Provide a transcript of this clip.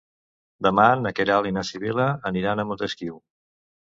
Demà na Queralt i na Sibil·la aniran a Montesquiu.